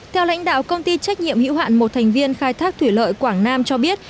theo lãnh đạo công ty trách nhiệm hữu hạn một thành viên khai thác thủy lợi quảng nam cho biết